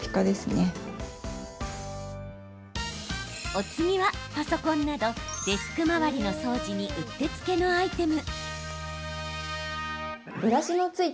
お次はパソコンなどデスク周りの掃除にうってつけのアイテム。